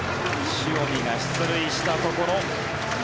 塩見が出塁したところ